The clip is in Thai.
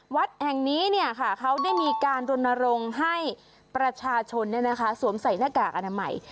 วัดแห่งนี้เขาได้มีการรณรงค์ให้ประชาชนสวมใส่หน้ากากอนามัย